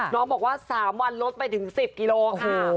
น้องบอกว่า๓วันลดไปถึง๑๐กิโลค่ะ